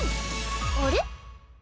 あれ？